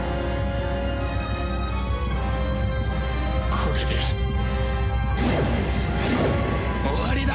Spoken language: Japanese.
これで終わりだ！